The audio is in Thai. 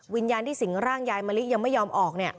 วิญญาณที่สิงร่างยายมะลิยังไม่ยอมออก